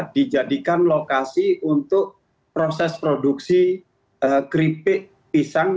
dijadikan lokasi untuk proses produksi keripik pisang